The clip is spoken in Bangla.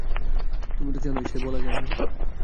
তুমি তো জানোই, সে বলে যায় না।